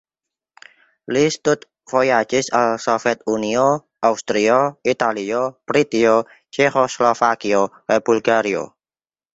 Li studvojaĝis al Sovetunio, Aŭstrio, Italio, Britio, Ĉeĥoslovakio kaj Bulgario.